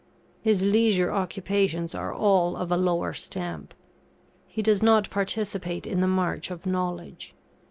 His leisure occupations are all of a lower stamp. He does not participate in the march of knowledge.